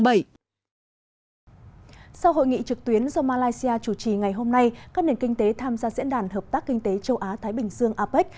sau hội nghị trực tuyến do malaysia chủ trì ngày hôm nay các nền kinh tế tham gia diễn đàn hợp tác kinh tế châu á thái bình dương apec